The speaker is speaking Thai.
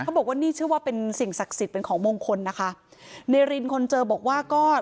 เขาบอกว่านี่เชื่อว่าเป็นสิ่งศักดิ์สิทธิ์เป็นของมงคลนะคะ